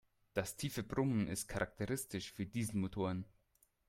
Das tiefe Brummen ist charakteristisch für Dieselmotoren.